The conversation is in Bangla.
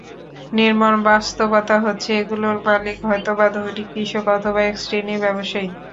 নির্মম বাস্তবতা হচ্ছে, এগুলোর মালিক হয়তোবা ধনী কৃষক অথবা একশ্রেণির ব্যবসায়ী।